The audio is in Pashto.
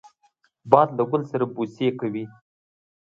باد له ګل سره بوسې کوي